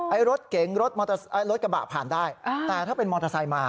รถเก๋งรถกระบะผ่านได้แต่ถ้าเป็นมอเตอร์ไซค์มา